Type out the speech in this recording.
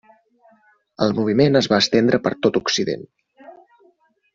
El moviment es va estendre per tot Occident.